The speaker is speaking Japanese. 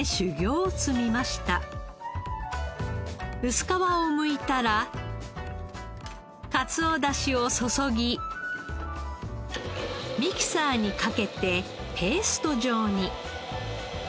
薄皮をむいたら鰹出汁を注ぎミキサーにかけてペースト状に。